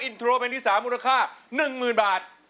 อินโทรเพลงที่๓มูลค่า๑๐๐๐บาท